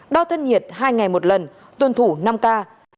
đo thân nhiệt hai ngày một lần tuân thủ năm k